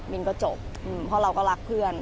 มินก็จบเพราะเราก็รักเพื่อน